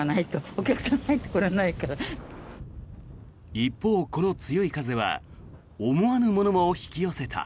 一方、この強い風は思わぬものも引き寄せた。